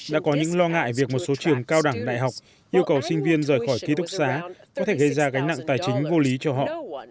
đã có những lo ngại việc một số trường cao đẳng đại học yêu cầu sinh viên rời khỏi ký túc xá có thể gây ra gánh nặng tài chính vô lý cho họ